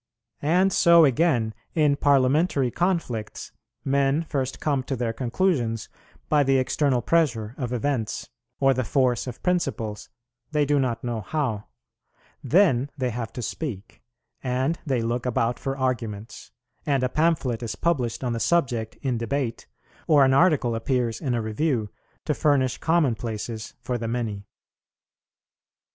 And so, again, in Parliamentary conflicts, men first come to their conclusions by the external pressure of events or the force of principles, they do not know how; then they have to speak, and they look about for arguments: and a pamphlet is published on the subject in debate, or an article appears in a Review, to furnish common places for the many.